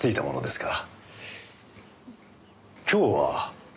今日は？